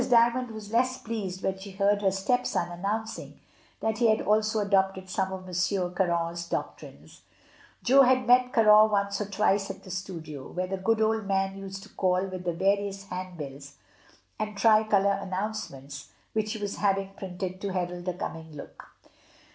Dymond was less pleased when she heard her stepson announcing that he had also adopted some of Monsieur Caron's doctrines. Jo had met Caron once or twice at the studio, where the good old man used to call with the various handbills and tricolor announcements which he was having printed to herald the coming book.